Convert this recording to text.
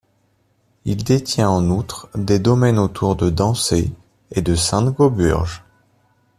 Il détient en outre des domaines autour de Dancé et de Sainte-Gauburge.